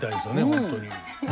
本当に。